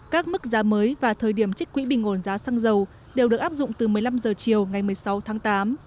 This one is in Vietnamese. các mức giá mới và thời điểm trích quỹ bình ổn giá xăng dầu đều được áp dụng từ một mươi năm h chiều ngày một mươi sáu tháng tám